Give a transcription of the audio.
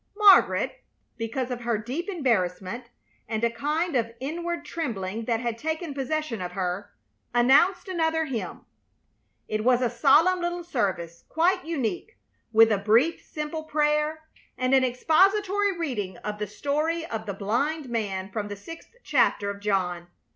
Margaret, because of her deep embarrassment, and a kind of inward trembling that had taken possession of her, announced another hymn. It was a solemn little service, quite unique, with a brief, simple prayer and an expository reading of the story of the blind man from the sixth chapter of John.